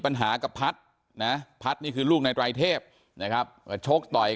ปัญหากับพัฒน์นะพัฒน์นี่คือลูกในไตรเทพนะครับก็ชกต่อย